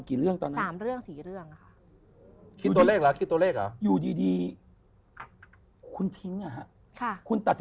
คือยังไง